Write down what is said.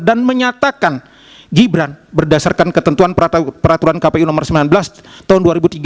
dan menyatakan gibran berdasarkan ketentuan peraturan kpu no sembilan belas tahun dua ribu tiga